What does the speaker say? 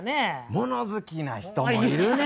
もの好きな人もいるね。